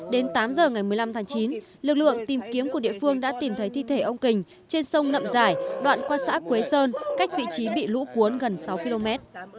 đến tám giờ ngày một mươi năm tháng chín lực lượng tìm kiếm của địa phương đã tìm thấy thi thể ông kình trên sông nậm giải đoạn qua xã quế sơn cách vị trí bị lũ cuốn gần sáu km